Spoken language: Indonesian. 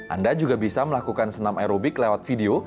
anda juga bisa melakukan senam aerobik lewat video